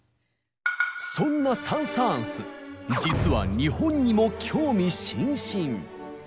そんなサン・サーンス実は日本にも興味津々。